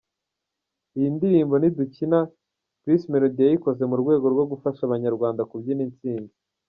Iyi ndirimbo 'Ntidukina' Bruce Melody yayikoze mu rwego rwo gufasha abanyarwanda kubyina intsinzi.